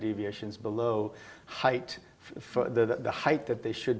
di bawah tinggi yang harus